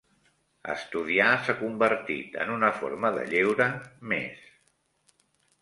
Estudiar s'ha convertit en una forma de lleure més.